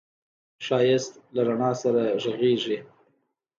ښایست له رڼا سره غږېږي